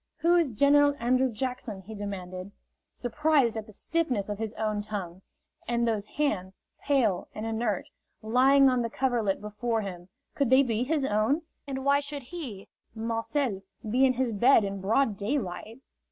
"Who is General Andrew Jackson?" he demanded, surprised at the stiffness of his own tongue. And those hands, pale and inert, lying on the coverlet before him, could they be his own? And why should he, Marcel, be in his bed in broad daylight?